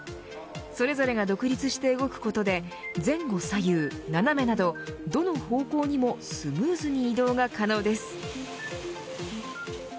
それぞれが独立して動くことで前後左右、斜めなどどの方向にもスムーズに移動が可能です。